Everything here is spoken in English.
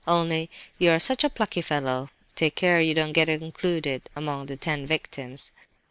"Only you are such a plucky fellow, take care you don't get included among the ten victims!"